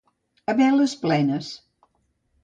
A veles plenes.